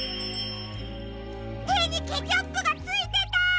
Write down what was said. てにケチャップがついてた！